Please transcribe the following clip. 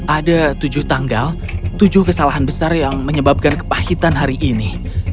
ada tujuh tanggal tujuh kesalahan besar yang menyebabkan kepahitan hari ini